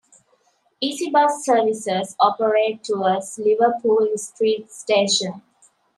EasyBus services operate towards Liverpool Street station.